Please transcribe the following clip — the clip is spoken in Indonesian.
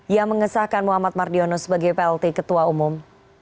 yang mengesahkan muhammad mardiono sebagai plt ketua umum